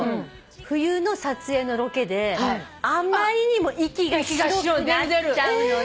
冬の撮影のロケであまりにも息が白くなっちゃうので。